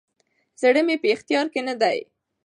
زړه مي په اختیار کي نه دی،